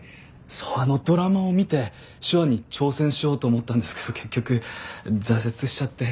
あのドラマを見て手話に挑戦しようと思ったんですけど結局挫折しちゃって。